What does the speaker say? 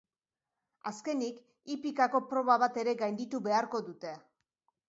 Azkenik, hipikako proba bat ere gainditu beharko dute.